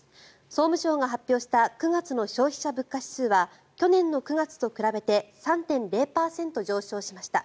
総務省が発表した９月の消費者物価指数は去年の９月と比べて３．０％上昇しました。